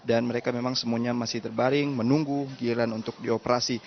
mereka memang semuanya masih terbaring menunggu giliran untuk dioperasi